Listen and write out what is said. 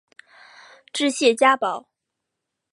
治谢家堡。